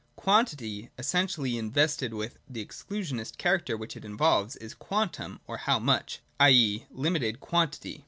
101.] Quantity, essentially invested with the exclu sionist character which it involves, is Quantum (or How Much) : i.e. limited quantity.